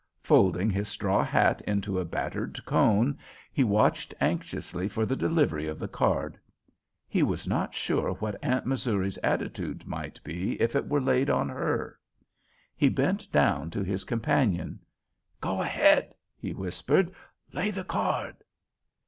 Folding his straw hat into a battered cone, he watched anxiously for the delivery of the card. He was not sure what Aunt Missouri's attitude might be if it were laid on her. He bent down to his companion. "Go ahead," he whispered. "Lay the card."